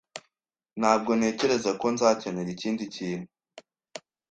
Ntabwo ntekereza ko nzakenera ikindi kintu.